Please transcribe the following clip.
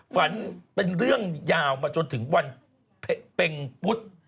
เป็นเรื่องยาวมาจนถึงวันเป็งพุทธ